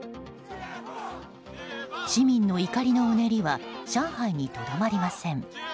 市民の怒りのうねりは上海にとどまりません。